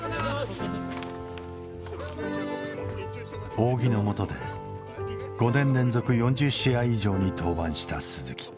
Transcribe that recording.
仰木のもとで５年連続４０試合以上に登板した鈴木。